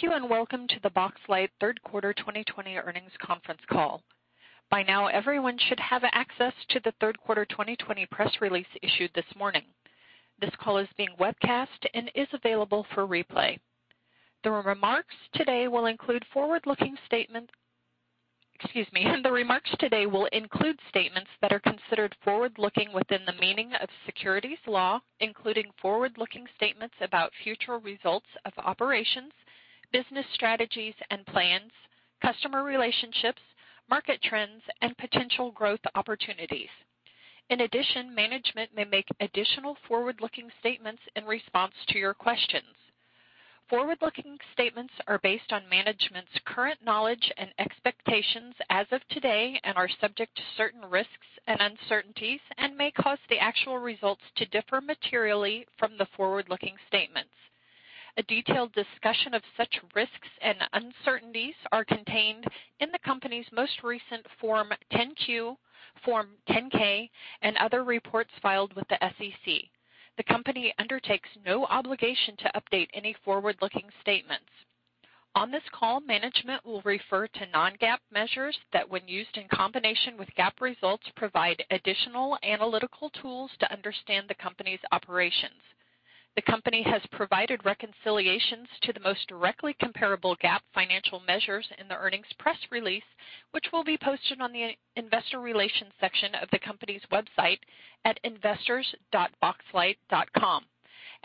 Thank you and welcome to the Boxlight third quarter 2020 earnings conference call. By now, everyone should have access to the third quarter 2020 press release issued this morning. This call is being webcast and is available for replay. The remarks today will include statements that are considered forward-looking within the meaning of securities law, including forward-looking statements about future results of operations, business strategies and plans, customer relationships, market trends, and potential growth opportunities. In addition, management may make additional forward-looking statements in response to your questions. Forward-looking statements are based on management's current knowledge and expectations as of today, and are subject to certain risks and uncertainties and may cause the actual results to differ materially from the forward-looking statements. A detailed discussion of such risks and uncertainties are contained in the company's most recent Form 10-Q, Form 10-K, and other reports filed with the SEC. The company undertakes no obligation to update any forward-looking statements. On this call, management will refer to non-GAAP measures, that when used in combination with GAAP results, provide additional analytical tools to understand the company's operations. The company has provided reconciliations to the most directly comparable GAAP financial measures in the earnings press release, which will be posted on the investor relations section of the company's website at investors.boxlight.com.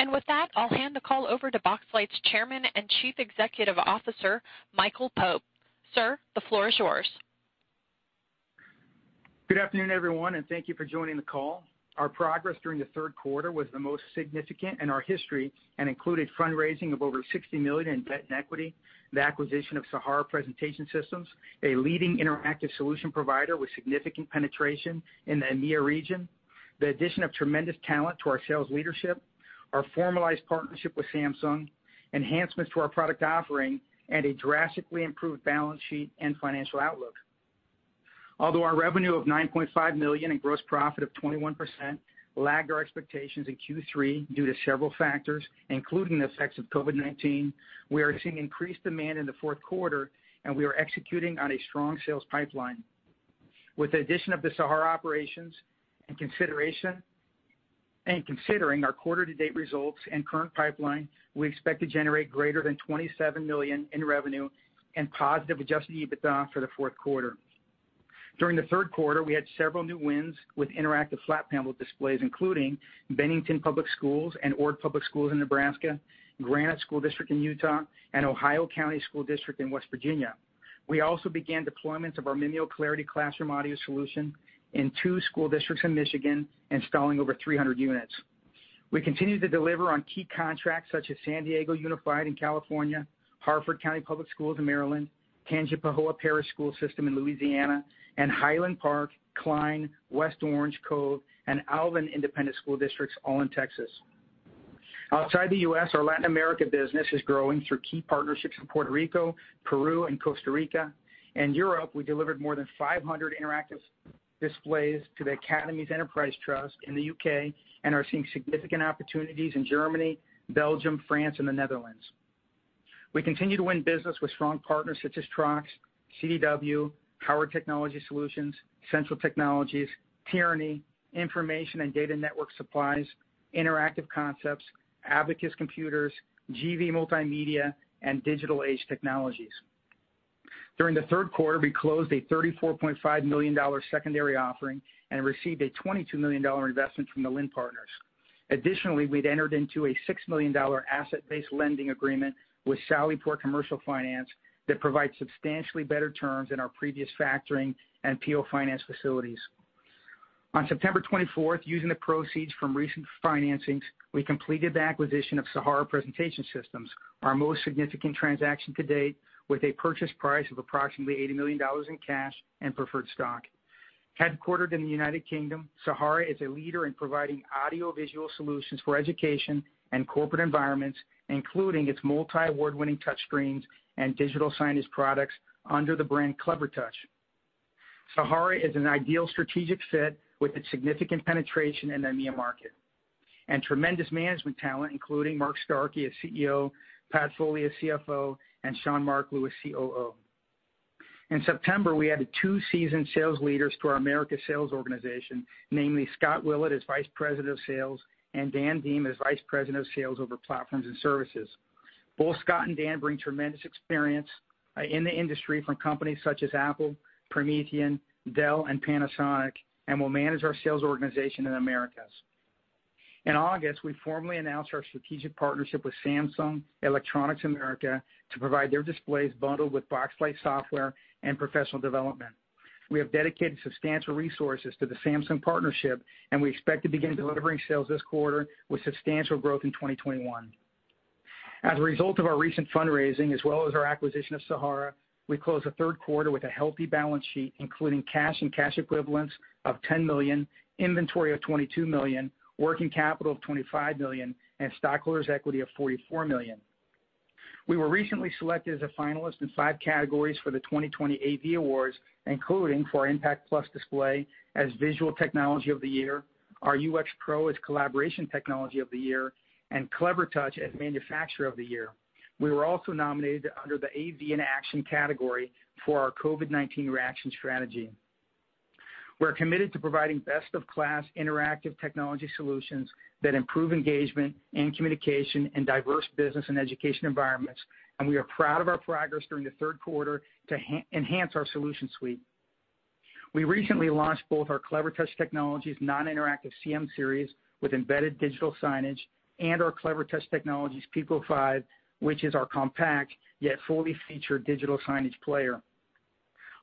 With that, I'll hand the call over to Boxlight's Chairman and Chief Executive Officer, Michael Pope. Sir, the floor is yours. Good afternoon, everyone, and thank you for joining the call. Our progress during the third quarter was the most significant in our history and included fundraising of over $60 million in debt and equity, the acquisition of Sahara Presentation Systems, a leading interactive solution provider with significant penetration in the EMEA region, the addition of tremendous talent to our sales leadership, our formalized partnership with Samsung, enhancements to our product offering, and a drastically improved balance sheet and financial outlook. Although our revenue of $9.5 million and gross profit of 21% lagged our expectations in Q3 due to several factors, including the effects of COVID-19, we are seeing increased demand in the fourth quarter and we are executing on a strong sales pipeline. With the addition of the Sahara operations, and considering our quarter-to-date results and current pipeline, we expect to generate greater than $27 million in revenue and positive adjusted EBITDA for the fourth quarter. During the third quarter, we had several new wins with interactive flat panel displays including Bennington Public Schools and Ord Public Schools in Nebraska, Granite School District in Utah, and Ohio County School District in West Virginia. We also began deployments of our MimioClarity classroom audio solution in two school districts in Michigan, installing over 300 units. We continue to deliver on key contracts such as San Diego Unified in California, Harford County Public Schools in Maryland, Tangipahoa Parish School System in Louisiana, and Highland Park, Klein, West Orange-Cove, and Alvin Independent School District, all in Texas. Outside the U.S., our Latin America business is growing through key partnerships in Puerto Rico, Peru, and Costa Rica. In Europe, we delivered more than 500 interactive displays to the Academies Enterprise Trust in the U.K. and are seeing significant opportunities in Germany, Belgium, France, and the Netherlands. We continue to win business with strong partners such as TROX, CDW, Howard Technology Solutions, Central Technologies, Tierney, Information and Data Network Supplies, Interactive Concepts, Abacus Computers, GV Multimedia, and Digital Age Technologies. During the third quarter, we closed a $34.5 million secondary offering and received a $22 million investment from The Lind Partners. Additionally, we'd entered into a $6 million asset-based lending agreement with Sallyport Commercial Finance that provides substantially better terms than our previous factoring and PO finance facilities. On September 24th, using the proceeds from recent financings, we completed the acquisition of Sahara Presentation Systems, our most significant transaction to date, with a purchase price of approximately $80 million in cash and preferred stock. Headquartered in the U.K., Sahara is a leader in providing audiovisual solutions for education and corporate environments, including its multi award-winning touchscreens and digital signage products under the brand Clevertouch. Sahara is an ideal strategic fit with its significant penetration in the EMEA market and tremendous management talent, including Mark Starkey as CEO, Pat Foley as CFO, and Shaun Marklew, COO. In September, we added two seasoned sales leaders to our America sales organization, namely Scott Willett as Vice President of Sales and Dan Deem as Vice President of Sales over Platforms and Services. Both Scott and Dan bring tremendous experience in the industry from companies such as Apple, Promethean, Dell, and Panasonic, and will manage our sales organization in Americas. In August, we formally announced our strategic partnership with Samsung Electronics America to provide their displays bundled with Boxlight software and professional development. We have dedicated substantial resources to the Samsung partnership, and we expect to begin delivering sales this quarter, with substantial growth in 2021. As a result of our recent fundraising, as well as our acquisition of Sahara, we closed the third quarter with a healthy balance sheet, including cash and cash equivalents of $10 million, inventory of $22 million, working capital of $25 million, and stockholders' equity of $44 million. We were recently selected as a finalist in five categories for the 2020 AV Awards, including for our IMPACT Lux Display as Visual Technology of the Year, our UX Pro as Collaboration Technology of the Year, and Clevertouch as Manufacturer of the Year. We were also nominated under the AV in Action category for our COVID-19 reaction strategy. We're committed to providing best-in-class interactive technology solutions that improve engagement and communication in diverse business and education environments, and we are proud of our progress during the third quarter to enhance our solution suite. We recently launched both our Clevertouch Technologies non-interactive CM series with embedded digital signage and our Clevertouch Technologies Pico 5, which is our compact yet fully featured digital signage player.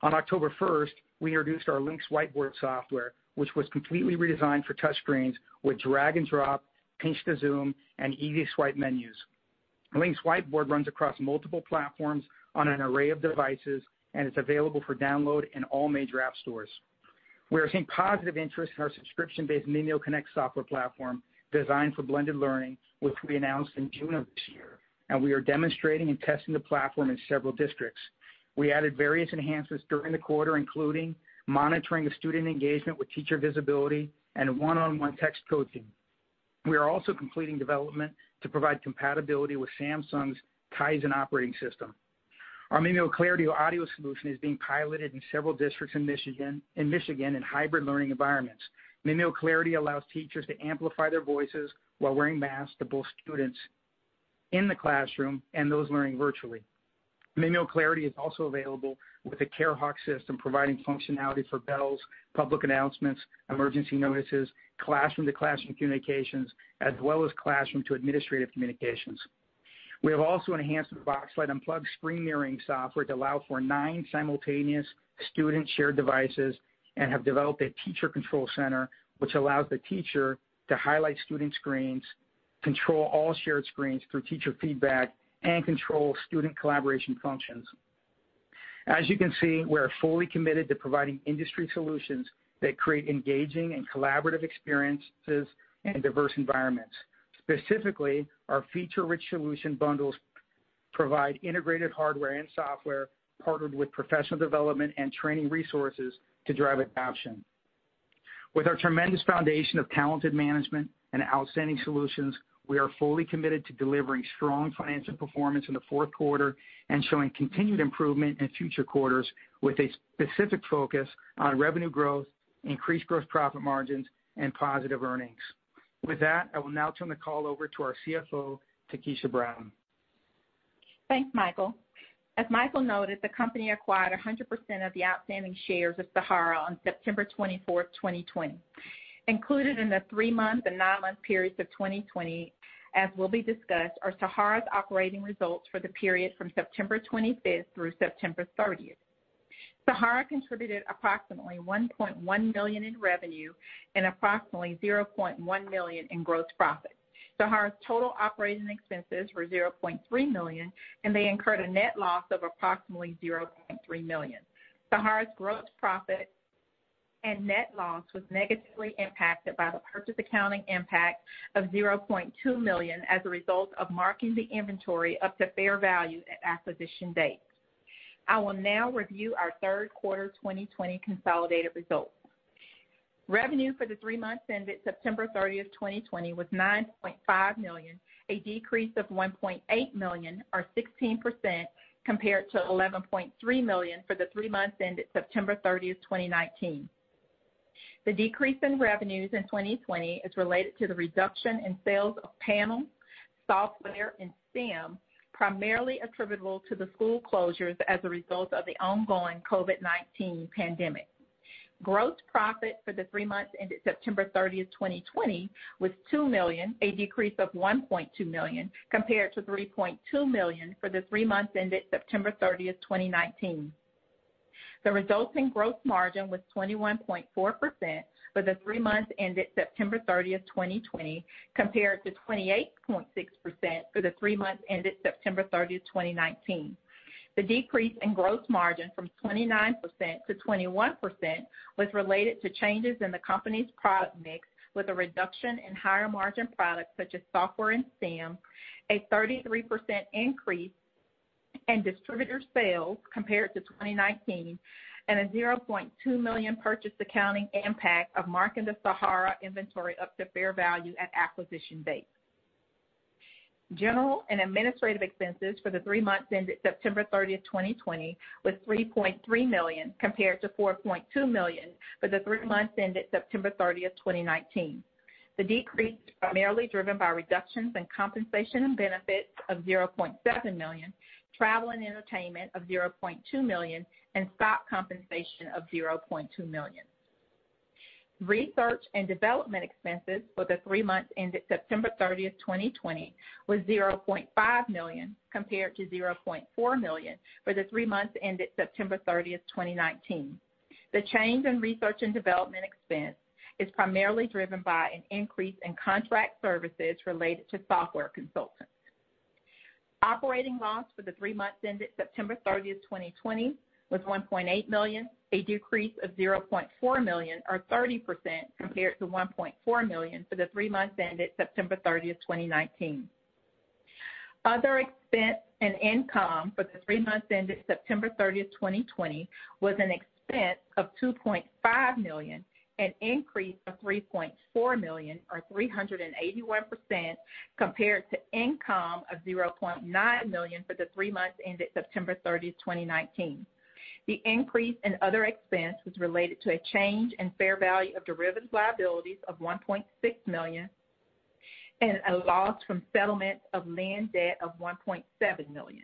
On October 1st, we introduced our LYNX Whiteboard software, which was completely redesigned for touchscreens with drag and drop, pinch-to-zoom, and easy swipe menus. LYNX Whiteboard runs across multiple platforms on an array of devices, and it's available for download in all major app stores. We are seeing positive interest in our subscription-based MimioConnect software platform, designed for blended learning, which we announced in June of this year, and we are demonstrating and testing the platform in several districts. We added various enhancements during the quarter, including monitoring of student engagement with teacher visibility and one-on-one text coding. We are also completing development to provide compatibility with Samsung's Tizen operating system. Our MimioClarity audio solution is being piloted in several districts in Michigan in hybrid learning environments. MimioClarity allows teachers to amplify their voices while wearing masks to both students in the classroom and those learning virtually. MimioClarity is also available with a CareHawk system providing functionality for bells, public announcements, emergency notices, classroom-to-classroom communications, as well as classroom-to-administrative communications. We have also enhanced the Boxlight Unplug'd screen mirroring software to allow for nine simultaneous student shared devices and have developed a teacher control center, which allows the teacher to highlight student screens, control all shared screens through teacher feedback, and control student collaboration functions. As you can see, we are fully committed to providing industry solutions that create engaging and collaborative experiences in diverse environments. Specifically, our feature-rich solution bundles provide integrated hardware and software partnered with professional development and training resources to drive adoption. With our tremendous foundation of talented management and outstanding solutions, we are fully committed to delivering strong financial performance in the fourth quarter and showing continued improvement in future quarters with a specific focus on revenue growth, increased gross profit margins, and positive earnings. With that, I will now turn the call over to our CFO, Takesha Brown. Thanks, Michael. As Michael noted, the company acquired 100% of the outstanding shares of Sahara on September 24th, 2020. Included in the three-month and nine-month periods of 2020, as will be discussed, are Sahara's operating results for the period from September 25th through September 30th. Sahara contributed approximately $1.1 million in revenue and approximately $0.1 million in gross profit. Sahara's total operating expenses were $0.3 million, and they incurred a net loss of approximately $0.3 million. Sahara's gross profit and net loss was negatively impacted by the purchase accounting impact of $0.2 million as a result of marking the inventory up to fair value at acquisition date. I will now review our third quarter 2020 consolidated results. Revenue for the three months ended September 30th, 2020 was $9.5 million, a decrease of $1.8 million or 16% compared to $11.3 million for the three months ended September 30th, 2019. The decrease in revenues in 2020 is related to the reduction in sales of panels, software, and STEM, primarily attributable to the school closures as a result of the ongoing COVID-19 pandemic. Gross profit for the three months ended September 30th, 2020 was $2 million, a decrease of $1.2 million compared to $3.2 million for the three months ended September 30th, 2019. The resulting gross margin was 21.4% for the three months ended September 30th, 2020, compared to 28.6% for the three months ended September 30th, 2019. The decrease in gross margin from 29% to 21% was related to changes in the company's product mix with a reduction in higher margin products such as software and STEM, a 33% increase in distributor sales compared to 2019, and a $0.2 million purchase accounting impact of marking the Sahara inventory up to fair value at acquisition date. General and administrative expenses for the three months ended September 30th, 2020 was $3.3 million compared to $4.2 million for the three months ended September 30th, 2019. The decrease primarily driven by reductions in compensation and benefits of $0.7 million, travel and entertainment of $0.2 million, and stock compensation of $0.2 million. Research and development expenses for the three months ended September 30th, 2020 was $0.5 million compared to $0.4 million for the three months ended September 30th, 2019. The change in research and development expense is primarily driven by an increase in contract services related to software consultants. Operating loss for the three months ended September 30th, 2020 was $1.8 million, a decrease of $0.4 million or 30% compared to $1.4 million for the three months ended September 30th, 2019. Other expense and income for the three months ended September 30th, 2020 was an expense of $2.5 million, an increase of $3.4 million or 381% compared to income of $0.9 million for the three months ended September 30th, 2019. The increase in other expense was related to a change in fair value of derivatives liabilities of $1.6 million. A loss from settlement of Lind debt of $1.7 million.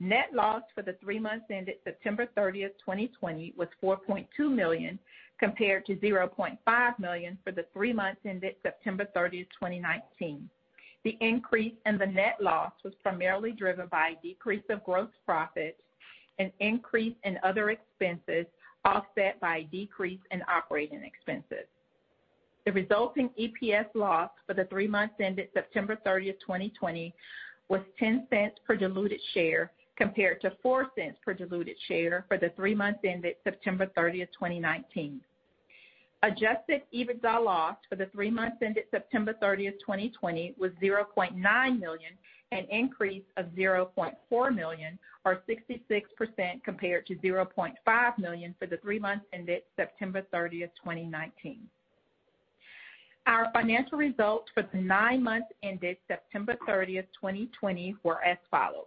Net loss for the three months ended September 30th, 2020 was $4.2 million, compared to $0.5 million for the three months ended September 30th, 2019. The increase in the net loss was primarily driven by a decrease of gross profit, an increase in other expenses, offset by a decrease in operating expenses. The resulting EPS loss for the three months ended September 30th, 2020 was $0.10 per diluted share, compared to $0.04 per diluted share for the three months ended September 30th, 2019. Adjusted EBITDA loss for the three months ended September 30th, 2020 was $0.9 million, an increase of $0.4 million, or 66%, compared to $0.5 million for the three months ended September 30th, 2019. Our financial results for the nine months ended September 30th, 2020 were as follows.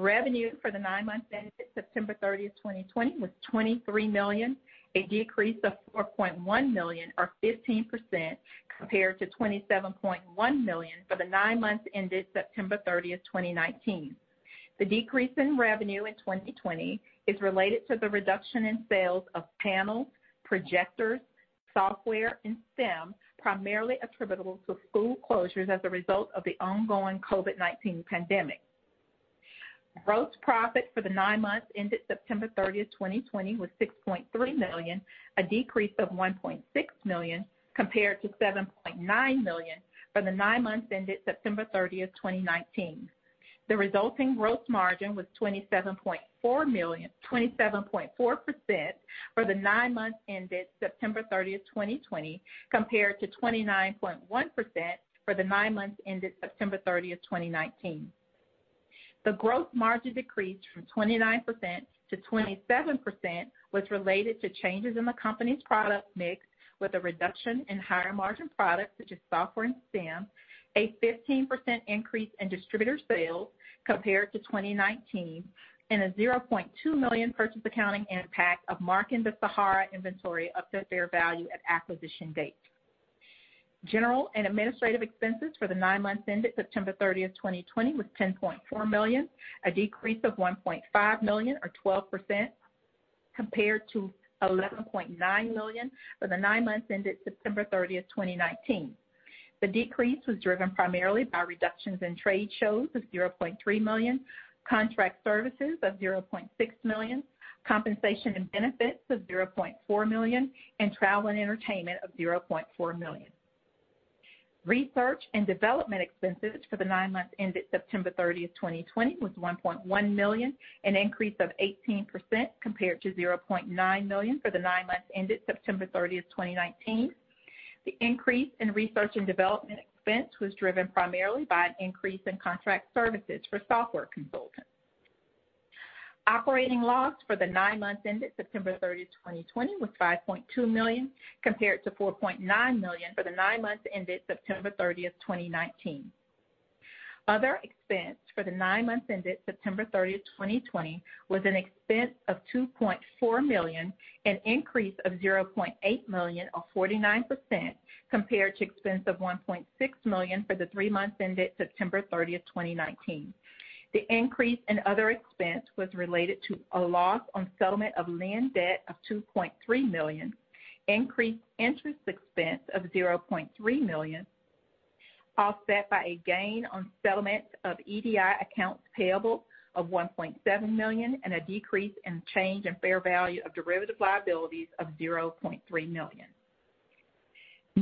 Revenue for the nine months ended September 30th, 2020 was $23 million, a decrease of $4.1 million or 15%, compared to $27.1 million for the nine months ended September 30th, 2019. The decrease in revenue in 2020 is related to the reduction in sales of panels, projectors, software, and STEM, primarily attributable to school closures as a result of the ongoing COVID-19 pandemic. Gross profit for the nine months ended September 30, 2020 was $6.3 million, a decrease of $1.6 million, compared to $7.9 million for the nine months ended September 30, 2019. The resulting gross margin was 27.4% for the nine months ended September 30, 2020, compared to 29.1% for the nine months ended September 30, 2019. The gross margin decrease from 29% to 27% was related to changes in the company's product mix, with a reduction in higher margin products such as software and STEM, a 15% increase in distributor sales compared to 2019, and a $0.2 million purchase accounting impact of marking the Sahara inventory up to fair value at acquisition date. General and administrative expenses for the nine months ended September 30, 2020 was $10.4 million, a decrease of $1.5 million or 12%, compared to $11.9 million for the nine months ended September 30, 2019. The decrease was driven primarily by reductions in trade shows of $0.3 million, contract services of $0.6 million, compensation and benefits of $0.4 million, and travel and entertainment of $0.4 million. Research and development expenses for the nine months ended September 30th, 2020 was $1.1 million, an increase of 18% compared to $0.9 million for the nine months ended September 30th, 2019. The increase in research and development expense was driven primarily by an increase in contract services for software consultants. Operating loss for the nine months ended September 30th, 2020 was $5.2 million, compared to $4.9 million for the nine months ended September 30th, 2019. Other expense for the nine months ended September 30th, 2020 was an expense of $2.4 million, an increase of $0.8 million or 49%, compared to expense of $1.6 million for the three months ended September 30th, 2019. The increase in other expense was related to a loss on settlement of Lind debt of $2.3 million, increased interest expense of $0.3 million, offset by a gain on settlements of EDI accounts payable of $1.7 million, and a decrease in change in fair value of derivative liabilities of $0.3 million.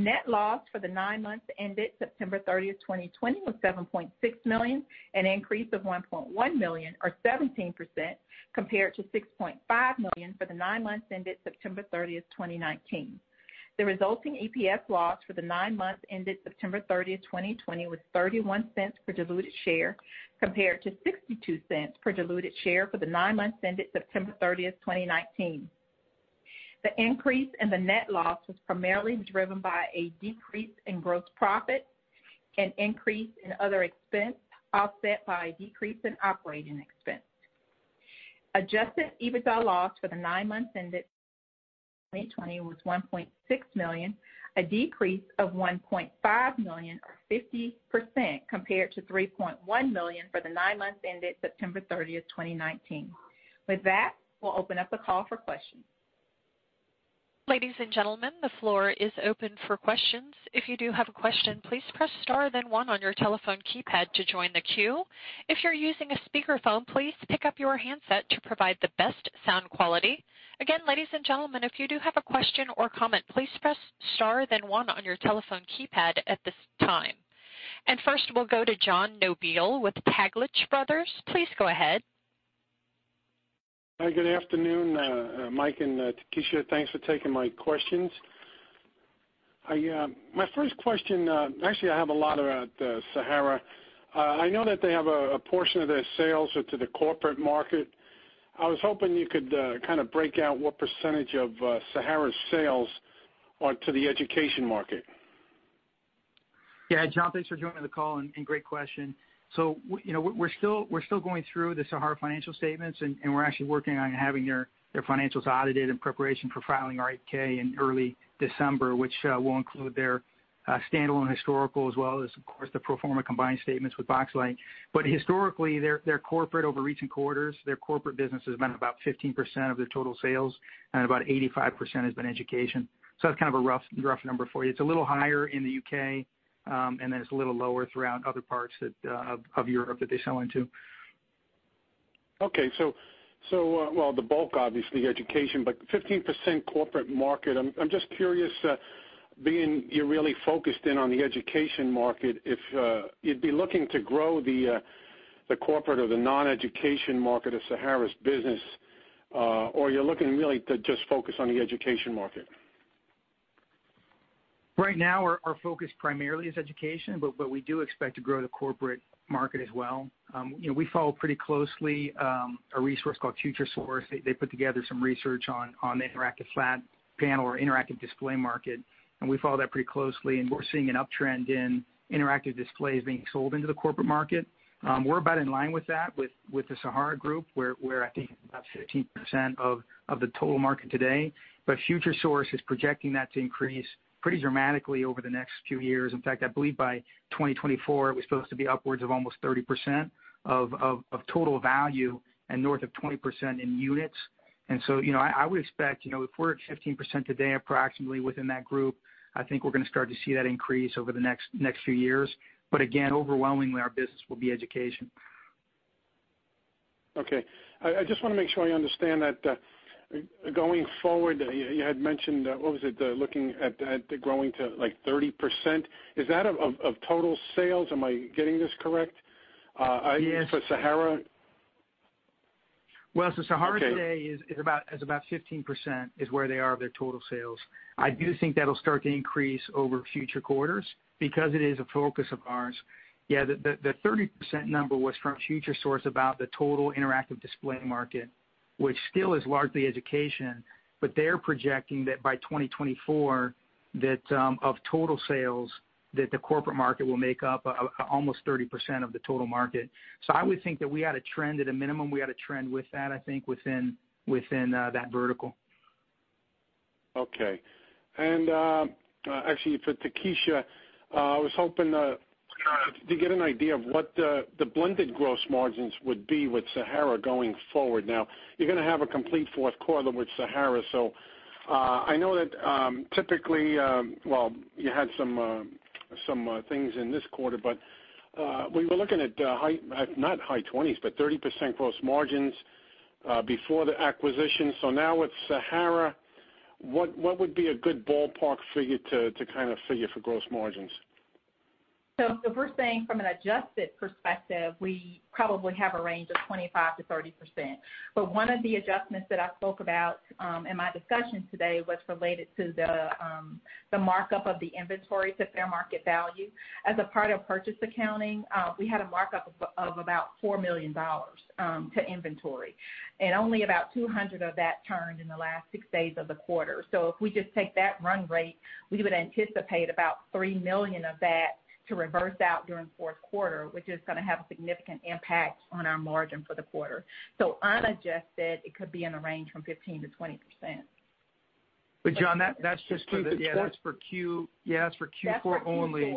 Net loss for the nine months ended September 30, 2020 was $7.6 million, an increase of $1.1 million or 17%, compared to $6.5 million for the nine months ended September 30, 2019. The resulting EPS loss for the nine months ended September 30, 2020 was $0.31 per diluted share, compared to $0.62 per diluted share for the nine months ended September 30, 2019. The increase in the net loss was primarily driven by a decrease in gross profit, an increase in other expense, offset by a decrease in operating expense. Adjusted EBITDA loss for the nine months ended 2020 was $1.6 million, a decrease of $1.5 million or 50%, compared to $3.1 million for the nine months ended September 30th, 2019. With that, we'll open up the call for questions. Ladies and gentlemen, the floor is open for questions. If you do have a question, please press star then one on your telephone keypad to join the queue. If you're using a speakerphone, please pick up your handset to provide the best sound quality. Again, ladies and gentlemen, if you do have a question or comment, please press star then one on your telephone keypad at this time. First, we'll go to John Nobile with Taglich Brothers. Please go ahead. Hi, good afternoon, Mike and Takesha. Thanks for taking my questions. My first question, actually I have a lot about Sahara. I know that they have a portion of their sales to the corporate market. I was hoping you could kind of break out percentage of Sahara's sales are to the education market? John, thanks for joining the call, and great question. We're still going through the Sahara financial statements, and we're actually working on having their financials audited in preparation for filing our 8-K in early December, which will include their standalone historical as well as, of course, the pro forma combined statements with Boxlight. Historically, their corporate over recent quarters, their corporate business has been about 15% of their total sales, and about 85% has been education. That's kind of a rough number for you. It's a little higher in the U.K., and then it's a little lower throughout other parts of Europe that they sell into. The bulk, obviously education, but 15% corporate market. I'm just curious, being you're really focused in on the education market, if you'd be looking to grow the corporate or the non-education market of Sahara's business, or you're looking really to just focus on the education market? Our focus primarily is education, we do expect to grow the corporate market as well. We follow pretty closely a resource called Futuresource. They put together some research on the interactive flat panel or interactive display market, and we follow that pretty closely, and we're seeing an uptrend in interactive displays being sold into the corporate market. We're about in line with that with the Sahara Group. We're, I think, about 15% of the total market today. Futuresource is projecting that to increase pretty dramatically over the next few years. In fact, I believe by 2024, it was supposed to be upwards of almost 30% of total value and north of 20% in units. I would expect, if we're at 15% today, approximately within that group, I think we're going to start to see that increase over the next few years. Again, overwhelmingly, our business will be education. Okay. I just want to make sure I understand that going forward, you had mentioned, what was it? Looking at growing to 30%. Is that of total sales? Am I getting this correct? Yes. For Sahara? Well, Sahara today. Okay is about 15% is where they are of their total sales. I do think that'll start to increase over future quarters because it is a focus of ours. Yeah, the 30% number was from Futuresource about the total interactive display market, which still is largely education, but they're projecting that by 2024, that of total sales, that the corporate market will make up almost 30% of the total market. I would think that we had a trend at a minimum, we had a trend with that, I think, within that vertical. Okay. Actually for Takesha, I was hoping to get an idea of what the blended gross margins would be with Sahara going forward. Now, you're going to have a complete fourth quarter with Sahara, so I know that typically, well, you had some things in this quarter, but we were looking at high, not high 20s, but 30% gross margins before the acquisition. Now with Sahara, what would be a good ballpark figure to kind of figure for gross margins? The first thing from an adjusted perspective, we probably have a range of 25%-30%. One of the adjustments that I spoke about in my discussion today was related to the markup of the inventory to fair market value. As a part of purchase accounting, we had a markup of about $4 million to inventory, and only about $200,000 of that turned in the last six days of the quarter. If we just take that run rate, we would anticipate about $3 million of that to reverse out during fourth quarter, which is going to have a significant impact on our margin for the quarter. Unadjusted, it could be in a range from 15%-20%. John. Just for Q4? Yeah, that's for Q4 only.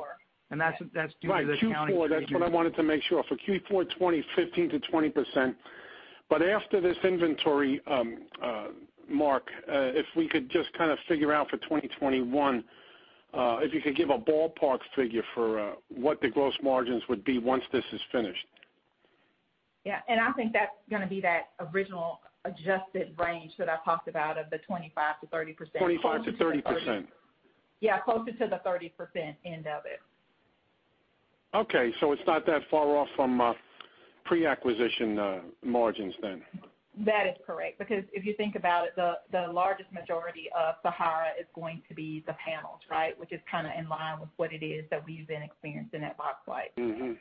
That's for Q4. That's due to the accounting treatment. Right. Q4, that's what I wanted to make sure of. For Q4 2020, 15%-20%. After this inventory mark, if we could just kind of figure out for 2021, if you could give a ballpark figure for what the gross margins would be once this is finished. Yeah, I think that's going to be that original adjusted range that I talked about of the 25%-30%. 25%-30%? Yeah, closer to the 30% end of it. Okay, it's not that far off from pre-acquisition margins then. That is correct, because if you think about it, the largest majority of Sahara is going to be the panels, right, which is kind of in line with what it is that we've been experiencing at Boxlight.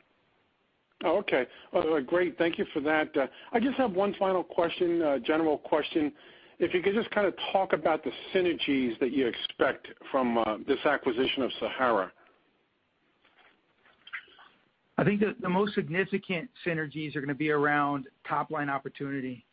Okay. Well, great. Thank you for that. I just have one final question, a general question. If you could just kind of talk about the synergies that you expect from this acquisition of Sahara. I think that the most significant synergies are going to be around top-line opportunity.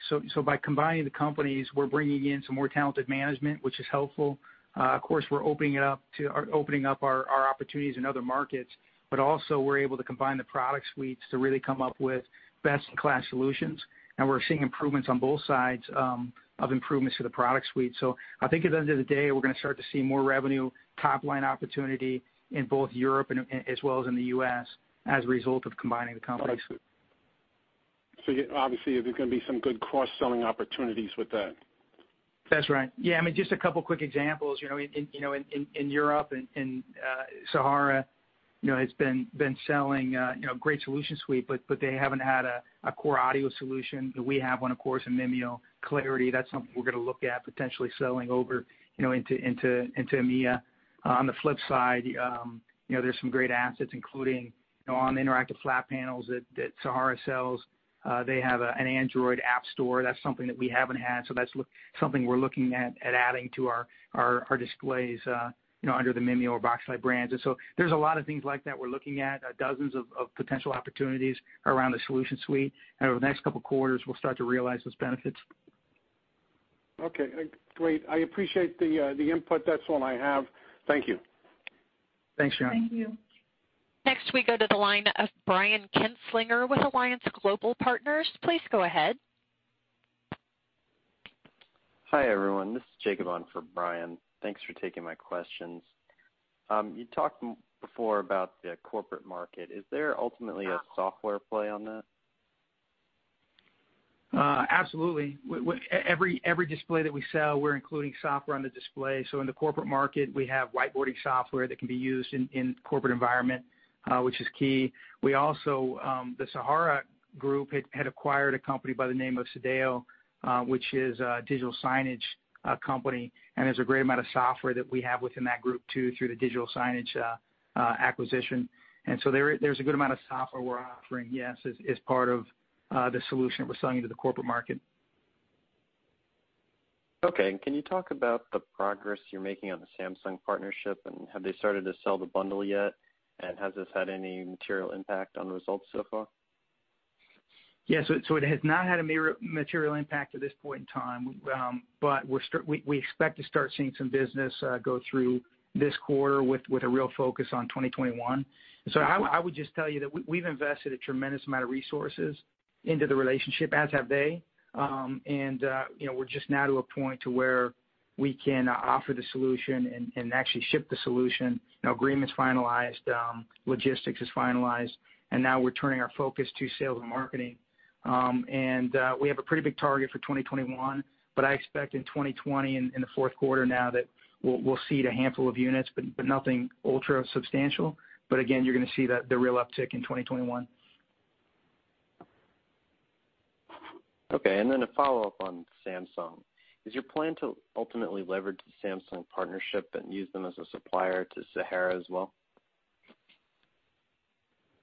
By combining the companies, we're bringing in some more talented management, which is helpful. Of course, we're opening up our opportunities in other markets, but also we're able to combine the product suites to really come up with best-in-class solutions. We're seeing improvements on both sides of improvements to the product suite. I think at the end of the day, we're going to start to see more revenue top-line opportunity in both Europe as well as in the U.S. as a result of combining the companies. Obviously, there's going to be some good cross-selling opportunities with that. That's right. Yeah, I mean, just a couple of quick examples. In Europe, Sahara has been selling a great solution suite, but they haven't had a core audio solution. We have one, of course, in MimioClarity. That's something we're going to look at potentially selling over into EMEA. On the flip side, there's some great assets, including on the interactive flat panels that Sahara sells. They have an Android app store. That's something that we haven't had. That's something we're looking at adding to our displays under the Mimio or Boxlight brands. There's a lot of things like that we're looking at, dozens of potential opportunities around the solution suite. Over the next couple of quarters, we'll start to realize those benefits. Okay, great. I appreciate the input. That's all I have. Thank you. Thanks, John. Thank you. Next, we go to the line of Brian Kinstlinger with Alliance Global Partners. Please go ahead. Hi, everyone. This is Jacob on for Brian. Thanks for taking my questions. You talked before about the corporate market. Is there ultimately a software play on that? Absolutely. Every display that we sell, we're including software on the display. In the corporate market, we have whiteboarding software that can be used in corporate environment, which is key. The Sahara group had acquired a company by the name of Sedao, which is a digital signage company, and there's a great amount of software that we have within that group too, through the digital signage acquisition. There's a good amount of software we're offering, yes, as part of the solution we're selling to the corporate market. Okay. Can you talk about the progress you're making on the Samsung partnership, have they started to sell the bundle yet? Has this had any material impact on the results so far? Yes. It has not had a material impact at this point in time. We expect to start seeing some business go through this quarter with a real focus on 2021. I would just tell you that we've invested a tremendous amount of resources into the relationship, as have they. We're just now to a point to where we can offer the solution and actually ship the solution. Agreement's finalized, logistics is finalized, and now we're turning our focus to sales and marketing. We have a pretty big target for 2021, but I expect in 2020, in the fourth quarter now, that we'll seed a handful of units, but nothing ultra substantial. Again, you're going to see the real uptick in 2021. Okay, then a follow-up on Samsung. Is your plan to ultimately leverage the Samsung partnership and use them as a supplier to Sahara as well?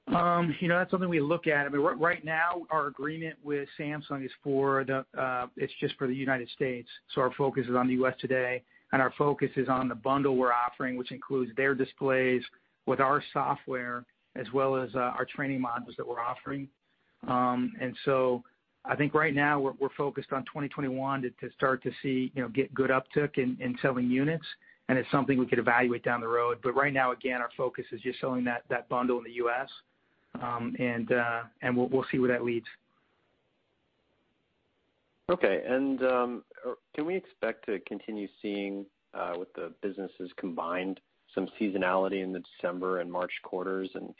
That's something we look at. Right now, our agreement with Samsung, it's just for the U.S., so our focus is on the U.S. today, and our focus is on the bundle we're offering, which includes their displays with our software, as well as our training modules that we're offering. I think right now we're focused on 2021 to start to see good uptick in selling units, and it's something we could evaluate down the road. Right now, again, our focus is just selling that bundle in the U.S., and we'll see where that leads. Okay. Can we expect to continue seeing, with the businesses combined, some seasonality in the December and March quarters, and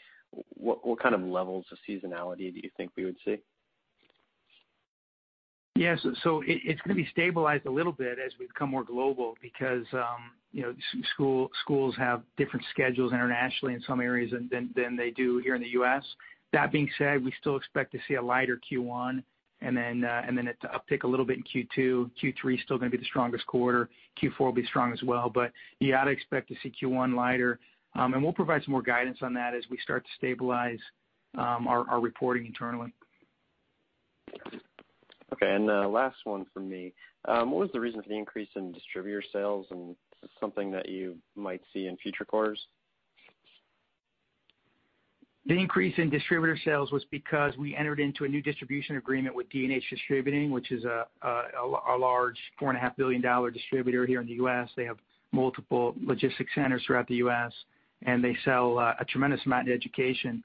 what kind of levels of seasonality do you think we would see? Yes. It's going to be stabilized a little bit as we become more global because schools have different schedules internationally in some areas than they do here in the U.S. That being said, we still expect to see a lighter Q1, and then it to uptick a little bit in Q2. Q3 is still going to be the strongest quarter. Q4 will be strong as well. You ought to expect to see Q1 lighter. We'll provide some more guidance on that as we start to stabilize our reporting internally. Okay, last one from me. What was the reason for the increase in distributor sales, and is this something that you might see in future quarters? The increase in distributor sales was because we entered into a new distribution agreement with D&H Distributing, which is a large $4.5 billion distributor here in the U.S. They have multiple logistics centers throughout the U.S., they sell a tremendous amount in education.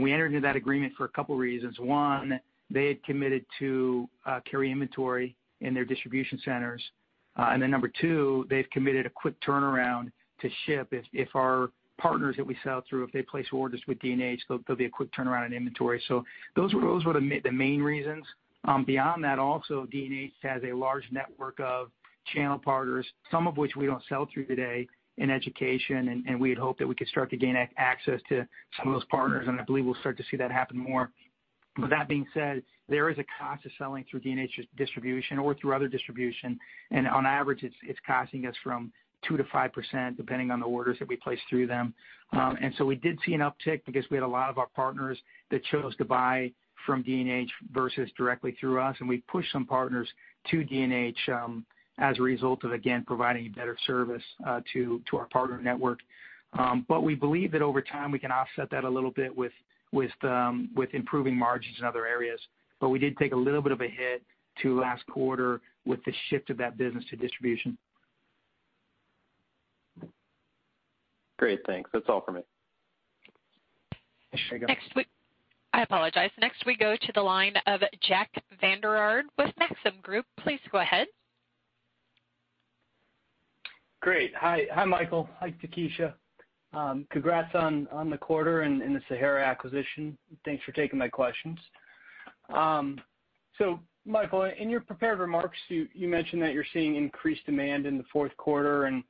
We entered into that agreement for a couple reasons. One, they had committed to carry inventory in their distribution centers. Number two, they've committed a quick turnaround to ship. If our partners that we sell through, if they place orders with D&H, there'll be a quick turnaround in inventory. Those were the main reasons. Beyond that also, D&H has a large network of channel partners, some of which we don't sell through today in education, we had hoped that we could start to gain access to some of those partners, I believe we'll start to see that happen more. That being said, there is a cost to selling through D&H distribution or through other distribution, and on average, it's costing us from 2%-5%, depending on the orders that we place through them. We did see an uptick because we had a lot of our partners that chose to buy from D&H versus directly through us, and we pushed some partners to D&H as a result of, again, providing a better service to our partner network. We believe that over time, we can offset that a little bit with improving margins in other areas. We did take a little bit of a hit to last quarter with the shift of that business to distribution. Great. Thanks. That is all for me. There you go. I apologize. Next, we go to the line of Jack Vander Aarde with Maxim Group. Please go ahead. Great. Hi, Michael. Hi, Takesha. Congrats on the quarter and the Sahara acquisition. Thanks for taking my questions. Michael, in your prepared remarks, you mentioned that you're seeing increased demand in the fourth quarter, and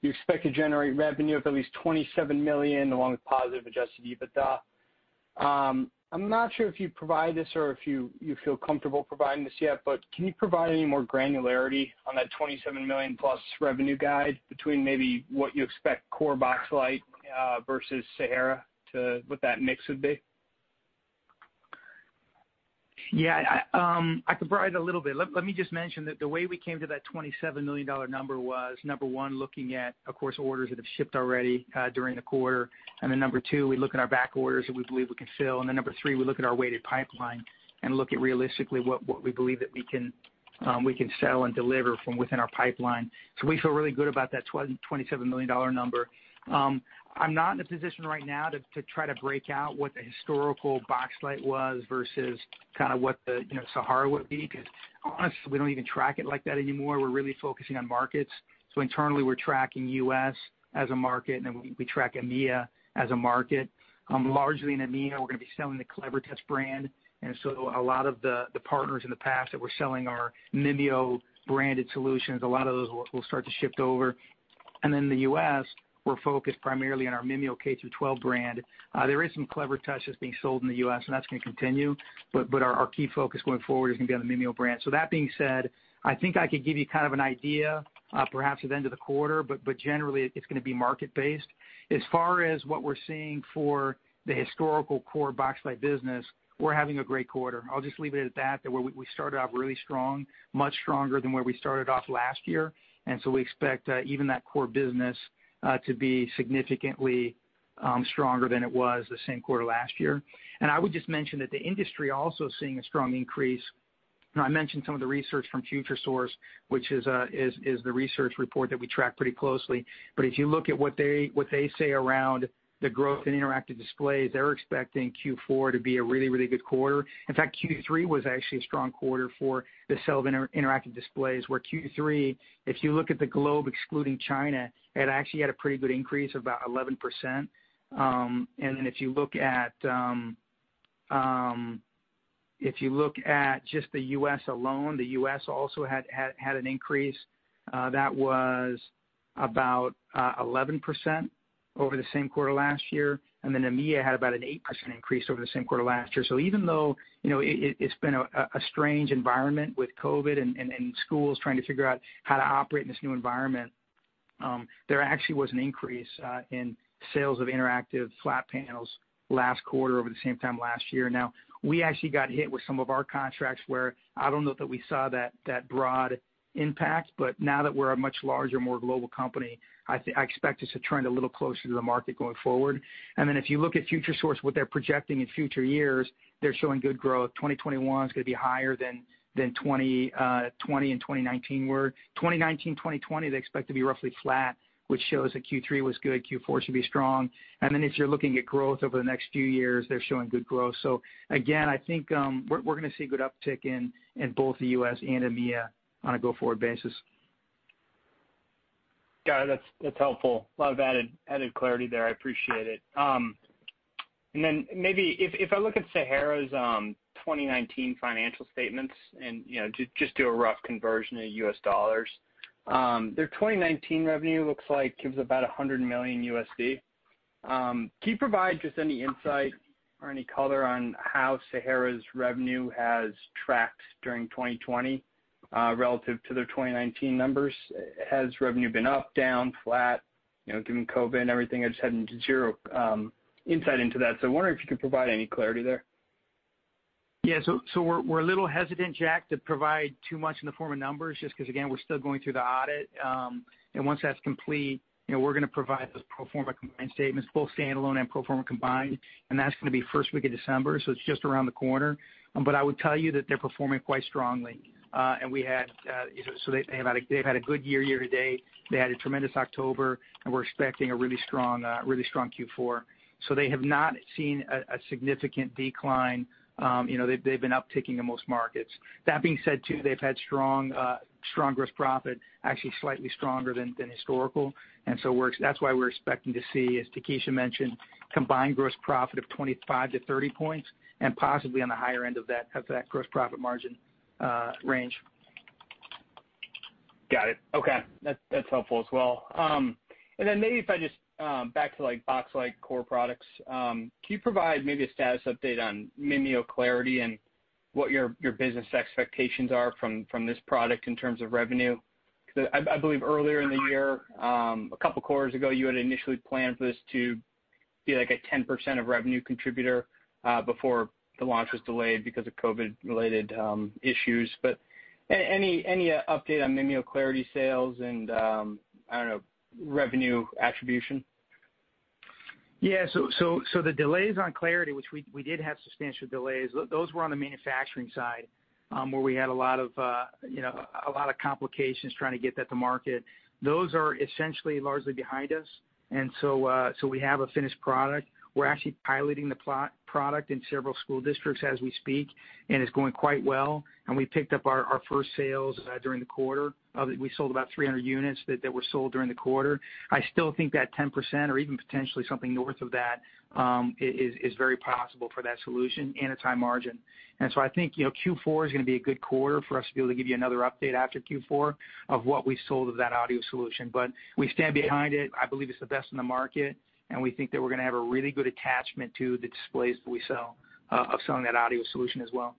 you expect to generate revenue of at least $27 million, along with positive adjusted EBITDA. I'm not sure if you'd provide this or if you feel comfortable providing this yet, but can you provide any more granularity on that $27 million+ revenue guide between maybe what you expect core Boxlight versus Sahara to what that mix would be? Yeah. I could provide a little bit. Let me just mention that the way we came to that $27 million number was, number one, looking at, of course, orders that have shipped already during the quarter. Number two, we look at our back orders that we believe we can fill. Number three, we look at our weighted pipeline and look at realistically what we believe that we can sell and deliver from within our pipeline. We feel really good about that $27 million number. I'm not in a position right now to try to break out what the historical Boxlight was versus what Sahara would be, because honestly, we don't even track it like that anymore. We're really focusing on markets. Internally, we're tracking U.S. as a market, and then we track EMEA as a market. Largely in EMEA, we're going to be selling the Clevertouch brand. A lot of the partners in the past that were selling our Mimio-branded solutions, a lot of those will start to shift over. The U.S., we're focused primarily on our Mimio K-12 brand. There is some Clevertouch that's being sold in the U.S., and that's going to continue. Our key focus going forward is going to be on the Mimio brand. That being said, I think I could give you kind of an idea perhaps at the end of the quarter, but generally it's going to be market-based. As far as what we're seeing for the historical core Boxlight business, we're having a great quarter. I'll just leave it at that we started out really strong, much stronger than where we started off last year. We expect even that core business to be significantly stronger than it was the same quarter last year. I would just mention that the industry also is seeing a strong increase. I mentioned some of the research from Futuresource, which is the research report that we track pretty closely. If you look at what they say around the growth in interactive displays, they're expecting Q4 to be a really good quarter. In fact, Q3 was actually a strong quarter for the sale of interactive displays, where Q3, if you look at the globe excluding China, it actually had a pretty good increase of about 11%. If you look at just the U.S. alone, the U.S. also had an increase that was about 11% over the same quarter last year. EMEA had about an 8% increase over the same quarter last year. Even though it's been a strange environment with COVID and schools trying to figure out how to operate in this new environment, there actually was an increase in sales of interactive flat panels last quarter over the same time last year. We actually got hit with some of our contracts where I don't know that we saw that broad impact, but now that we're a much larger, more global company, I expect us to trend a little closer to the market going forward. If you look at Futuresource, what they're projecting in future years, they're showing good growth. 2021 is going to be higher than 2020 and 2019 were. 2019, 2020, they expect to be roughly flat, which shows that Q3 was good, Q4 should be strong. If you're looking at growth over the next three years, they're showing good growth. Again, I think we're going to see good uptick in both the U.S. and EMEA on a go-forward basis. Got it. That's helpful. A lot of added clarity there. I appreciate it. Maybe if I look at Sahara's 2019 financial statements and just do a rough conversion to US dollars, their 2019 revenue looks like it was about $100 million. Can you provide just any insight or any color on how Sahara's revenue has tracked during 2020 relative to their 2019 numbers? Has revenue been up, down, flat? Given COVID and everything, I just have zero insight into that. I'm wondering if you could provide any clarity there. Yeah. We're a little hesitant, Jack, to provide too much in the form of numbers, just because, again, we're still going through the audit. Once that's complete, we're going to provide those pro forma combined statements, both standalone and pro forma combined, that's going to be first week of December, it's just around the corner. I would tell you that they're performing quite strongly. They've had a good year year-to-date. They had a tremendous October, we're expecting a really strong Q4. They have not seen a significant decline. They've been upticking in most markets. That being said, too, they've had strong gross profit, actually slightly stronger than historical. That's why we're expecting to see, as Takesha mentioned, combined gross profit of 25 points to 30 points, possibly on the higher end of that gross profit margin range. Got it. Okay. That's helpful as well. Then maybe if I just back to Boxlight core products, can you provide maybe a status update on MimioClarity and what your business expectations are from this product in terms of revenue? I believe earlier in the year, a couple quarters ago, you had initially planned for this to be like a 10% of revenue contributor before the launch was delayed because of COVID-related issues. Any update on MimioClarity sales and, I don't know, revenue attribution? The delays on MimioClarity, which we did have substantial delays, those were on the manufacturing side, where we had a lot of complications trying to get that to market. Those are essentially largely behind us. We have a finished product. We're actually piloting the product in several school districts as we speak, and it's going quite well. We picked up our first sales during the quarter. We sold about 300 units that were sold during the quarter. I still think that 10% or even potentially something north of that is very possible for that solution and a high margin. I think Q4 is going to be a good quarter for us to be able to give you another update after Q4 of what we've sold of that audio solution. We stand behind it. I believe it's the best in the market, and we think that we're going to have a really good attachment to the displays that we sell of selling that audio solution as well.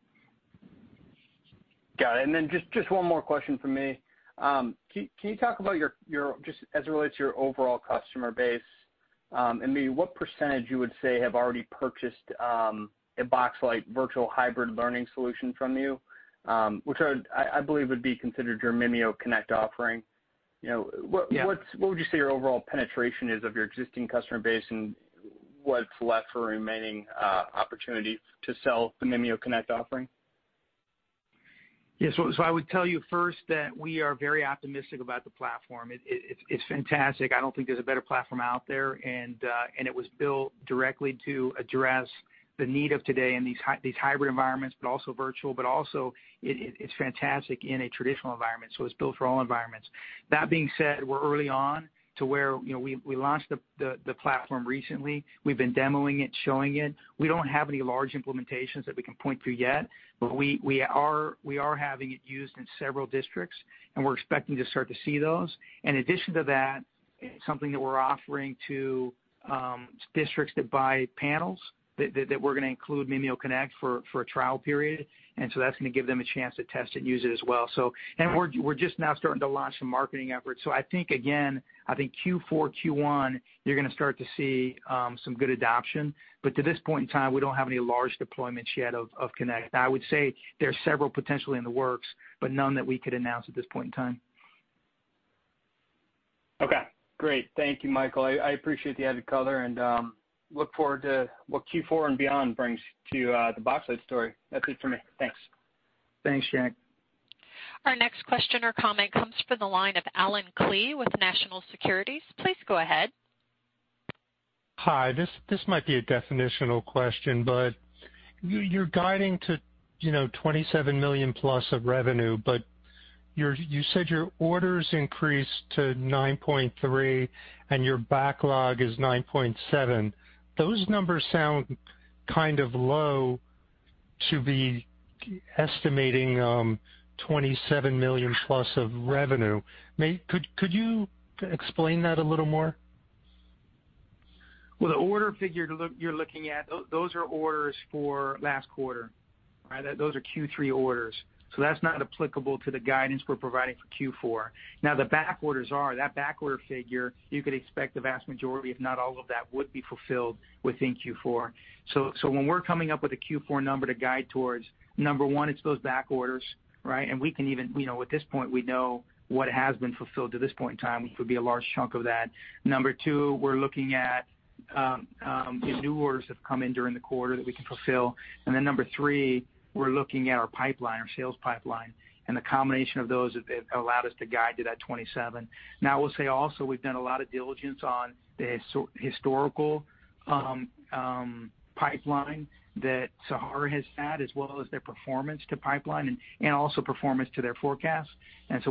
Got it. Just one more question from me. Can you talk about, just as it relates to your overall customer base, and maybe percentage you would say have already purchased a Boxlight virtual hybrid learning solution from you? Which I believe would be considered your MimioConnect offering. What would you say your overall penetration is of your existing customer base, and what's left for remaining opportunity to sell the MimioConnect offering? Yes. I would tell you first that we are very optimistic about the platform. It's fantastic. I don't think there's a better platform out there, and it was built directly to address the need of today in these hybrid environments, but also virtual, but also it's fantastic in a traditional environment, so it's built for all environments. That being said, we're early on to where we launched the platform recently. We've been demoing it, showing it. We don't have any large implementations that we can point to yet, but we are having it used in several districts, and we're expecting to start to see those. In addition to that, something that we're offering to districts that buy panels, that we're going to include MimioConnect for a trial period. That's going to give them a chance to test it and use it as well. We're just now starting to launch some marketing efforts. I think, again, I think Q4, Q1, you're going to start to see some good adoption. To this point in time, we don't have any large deployments yet of Connect. I would say there's several potentially in the works, but none that we could announce at this point in time. Okay, great. Thank you, Michael. I appreciate the added color and look forward to what Q4 and beyond brings to the Boxlight story. That's it for me. Thanks. Thanks, Jack. Our next question or comment comes from the line of Allen Klee with National Securities. Please go ahead. Hi. This might be a definitional question, but you're guiding to $27 million+ of revenue, but you said your orders increased to $9.3 million and your backlog is $9.7 million. Those numbers sound kind of low to be estimating $27 million+ of revenue. Could you explain that a little more? Well, the order figure you're looking at, those are orders for last quarter. Those are Q3 orders. That's not applicable to the guidance we're providing for Q4. Now, the back orders are. That back order figure, you could expect the vast majority, if not all of that, would be fulfilled within Q4. When we're coming up with a Q4 number to guide towards, number one, it's those back orders, right? At this point, we know what has been fulfilled to this point in time, which would be a large chunk of that. Number two, we're looking at if new orders have come in during the quarter that we can fulfill. Number three, we're looking at our pipeline, our sales pipeline. The combination of those have allowed us to guide to that $27 million. I will say also, we've done a lot of diligence on the historical pipeline that Sahara has had, as well as their performance to pipeline and also performance to their forecast.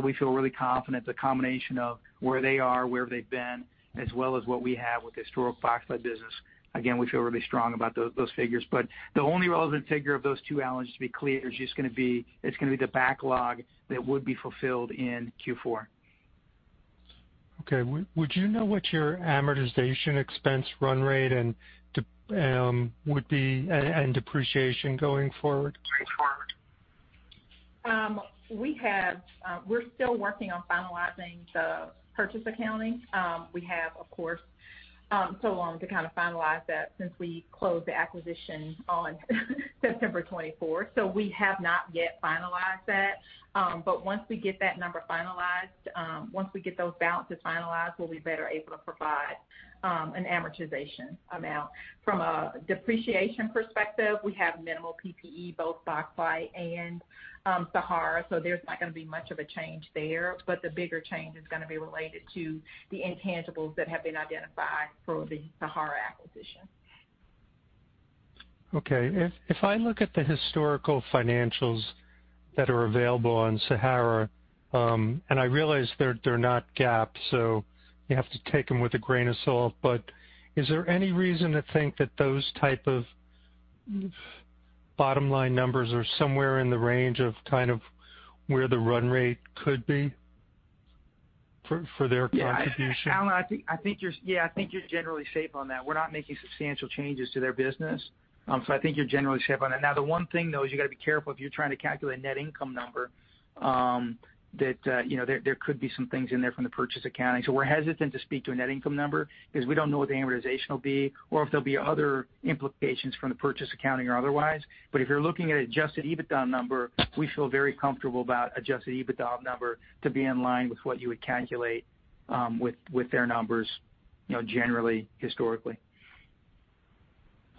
We feel really confident the combination of where they are, where they've been, as well as what we have with the historical Boxlight business. Again, we feel really strong about those figures. The only relevant figure of those two, Allen, just to be clear, it's going to be the backlog that would be fulfilled in Q4. Would you know what your amortization expense run rate would be and depreciation going forward? We're still working on finalizing the purchase accounting. We have, of course, so long to kind of finalize that since we closed the acquisition on September 24th. We have not yet finalized that. Once we get that number finalized, once we get those balances finalized, we'll be better able to provide an amortization amount. From a depreciation perspective, we have minimal PP&E, both Boxlight and Sahara, so there's not going to be much of a change there. The bigger change is going to be related to the intangibles that have been identified for the Sahara acquisition. Okay. If I look at the historical financials that are available on Sahara. I realize they're not GAAP. You have to take them with a grain of salt. Is there any reason to think that those type of bottom-line numbers are somewhere in the range of kind of where the run rate could be for their contribution? Allen, I think you're generally safe on that. We're not making substantial changes to their business. I think you're generally safe on that. The one thing, though, is you got to be careful if you're trying to calculate net income number, that there could be some things in there from the purchase accounting. We're hesitant to speak to a net income number because we don't know what the amortization will be or if there'll be other implications from the purchase accounting or otherwise. If you're looking at adjusted EBITDA number, we feel very comfortable about adjusted EBITDA number to be in line with what you would calculate with their numbers generally historically.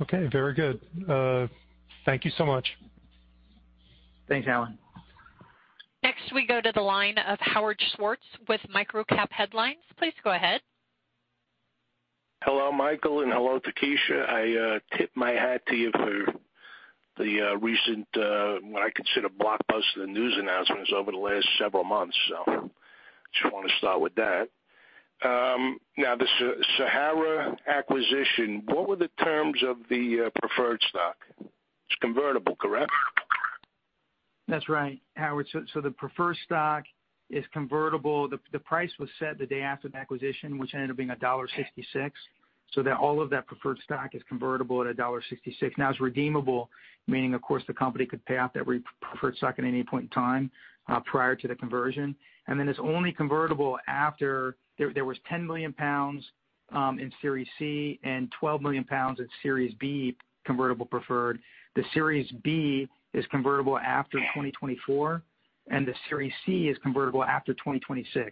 Okay, very good. Thank you so much. Thanks, Allen. Next, we go to the line of Howard Schwartz with MicroCap Headlines. Please go ahead. Hello, Michael, and hello to Takesha. I tip my hat to you for the recent, what I consider blockbuster news announcements over the last several months. Just want to start with that. The Sahara acquisition, what were the terms of the preferred stock? It's convertible, correct? That's right, Howard. The preferred stock is convertible. The price was set the day after the acquisition, which ended up being $1.66. That all of that preferred stock is convertible at $1.66. Now it's redeemable, meaning, of course, the company could pay off that preferred stock at any point in time prior to the conversion. It's only convertible after there was 10 million pounds in Series C and 12 million pounds in Series B convertible preferred. The Series B is convertible after 2024, and the Series C is convertible after 2026.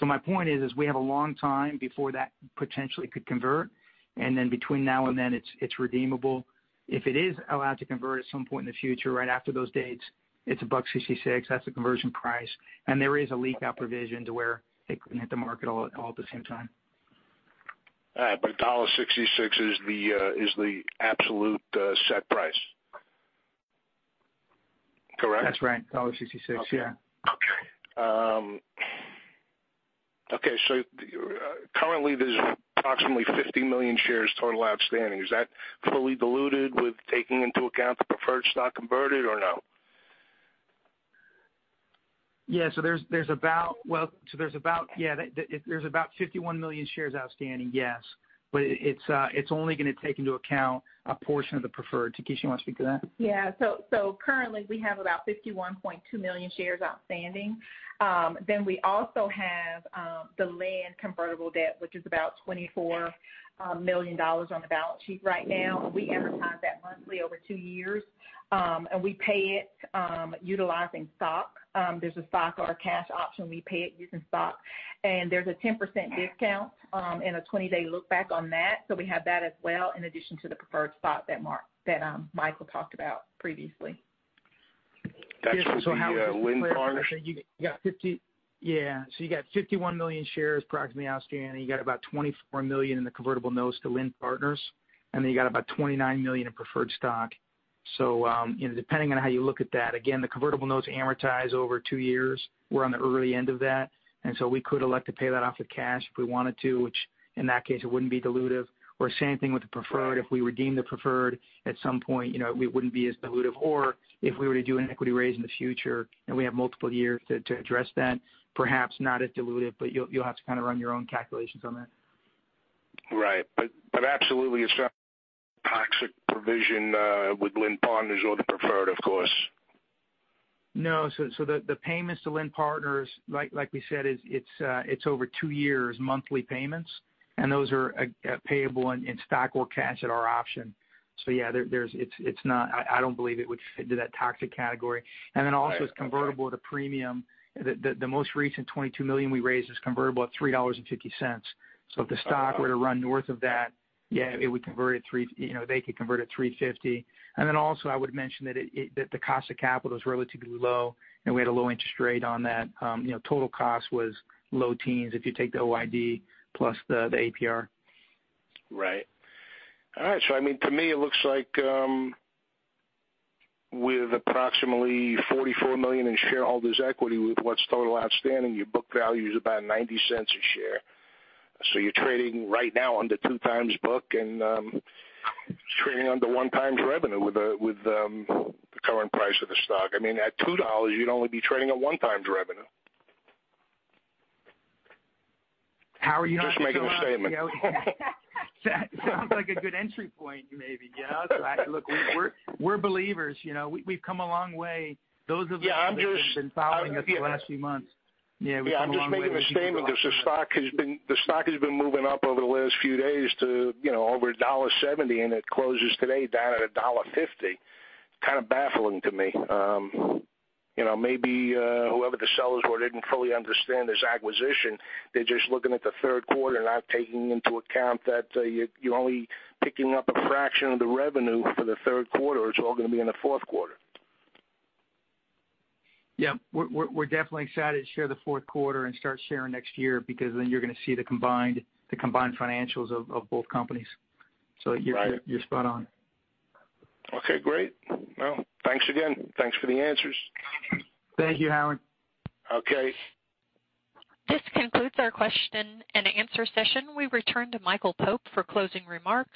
My point is, we have a long time before that potentially could convert, and then between now and then it's redeemable. If it is allowed to convert at some point in the future, right after those dates, it's $1.66, that's the conversion price. There is a leak-out provision to where it can hit the market all at the same time. All right, $1.66 is the absolute set price? Correct? That's right, $1.66. Yeah. Okay. Currently there's approximately 50 million shares total outstanding. Is that fully diluted with taking into account the preferred stock converted or no? There's about 51 million shares outstanding, yes. It's only going to take into account a portion of the preferred. Takesha, you want to speak to that? Yeah. Currently we have about 51.2 million shares outstanding. We also have the Lind convertible debt, which is about $24 million on the balance sheet right now. We amortize that monthly over two years. We pay it utilizing stock. There's a stock or a cash option. We pay it using stock, and there's a 10% discount, and a 20-day lookback on that. We have that as well, in addition to the preferred stock that Michael talked about previously. That's with the Lind Partners? Yeah. You got 51 million shares approximately outstanding. You got about $24 million in the convertible notes to Lind Partners, and then you got about $29 million in preferred stock. Depending on how you look at that, again, the convertible notes amortize over two years. We're on the early end of that, we could elect to pay that off with cash if we wanted to, which in that case, it wouldn't be dilutive. Same thing with the preferred. If we redeem the preferred at some point, we wouldn't be as dilutive. If we were to do an equity raise in the future and we have multiple years to address that, perhaps not as dilutive, but you'll have to run your own calculations on that. Right. Absolutely it's not a toxic provision, with Lind Partners or the preferred, of course. No. the payments to Lind Partners, like we said, it's over two years, monthly payments. Those are payable in stock or cash at our option. Yeah, I don't believe it would fit into that toxic category. Right. Okay. it's convertible at a premium. The most recent $22 million we raised is convertible at $3.50. If the stock were to run north of that, yeah, they could convert at $3.50. Then also I would mention that the cost of capital is relatively low, and we had a low interest rate on that. Total cost was low teens if you take the OID plus the APR. Right. All right. To me it looks like with approximately $44 million in shareholders' equity with what's total outstanding, your book value is about $0.90 a share. You're trading right now under 2x book and trading under 1x revenue with the current price of the stock. At $2, you'd only be trading at 1x revenue. Howard, Just making a statement. That sounds like a good entry point, maybe. Look, we're believers. We've come a long way. Yeah, I'm just- that have been following us the last few months. Yeah, we've come a long way. Yeah, I'm just making a statement because the stock has been moving up over the last few days to over $1.70, and it closes today down at $1.50. Kind of baffling to me. Maybe whoever the sellers were didn't fully understand this acquisition. They're just looking at the third quarter, not taking into account that you're only picking up a fraction of the revenue for the third quarter. It's all going to be in the fourth quarter. Yeah. We're definitely excited to share the fourth quarter and start sharing next year because then you're going to see the combined financials of both companies. Right. You're spot on. Okay, great. Well, thanks again. Thanks for the answers. Thank you, Howard. Okay. This concludes our question and answer session. We return to Michael Pope for closing remarks.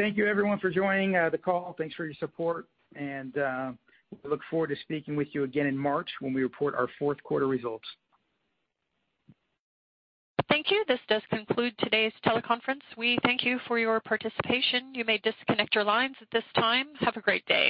Thank you everyone for joining the call. Thanks for your support. We look forward to speaking with you again in March when we report our fourth quarter results. Thank you. This does conclude today's teleconference. We thank you for your participation. You may disconnect your lines at this time. Have a great day.